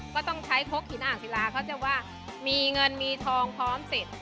ก็ต้องใช้คกหินอ่างศิลาเขาจะว่ามีเงินมีทองพร้อมเสร็จ